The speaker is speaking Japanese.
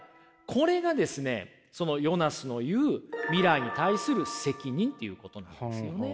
これがですねそのヨナスの言う未来に対する責任っていうことなんですよね。